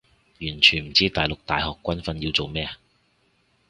完全唔知大陸大學軍訓要做咩